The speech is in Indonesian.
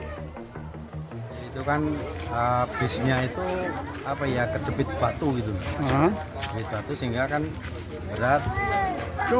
itu kan bisnya itu kejepit batu gitu